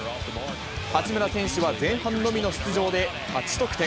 八村選手は前半のみの出場で、８得点。